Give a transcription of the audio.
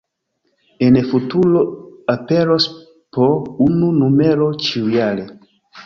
En futuro aperos po unu numero ĉiujare.